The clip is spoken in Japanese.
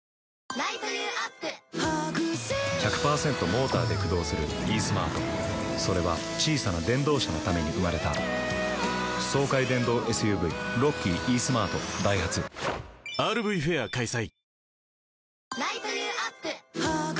モーターで駆動するイースマートそれは小さな電動車のために生まれた爽快電動ＳＵＶロッキーイースマートダイハツＲＶフェア開催